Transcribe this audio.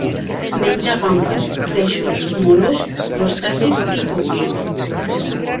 Menja gambes, peixos, mol·luscs, crustacis i cucs.